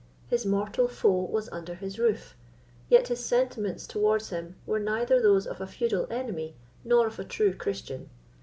His mortal foe was under his roof, yet his sentiments towards him were neither those of a feudal enemy nor of a true Christian.